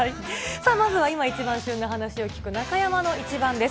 さあ、まずは今一番旬な話を聞く、中山のイチバンです。